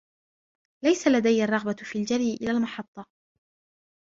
ليس لدي الرغبة في الجري إلى المحطة.